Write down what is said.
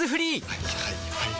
はいはいはいはい。